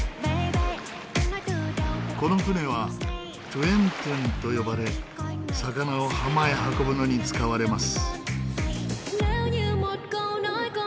この舟はトゥエン・トゥンと呼ばれ魚を浜へ運ぶのに使われます。